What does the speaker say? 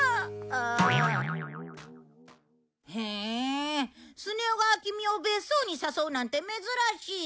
へえスネ夫がキミを別荘に誘うなんて珍しい。